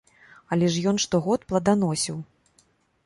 Але ж ён штогод пладаносіў.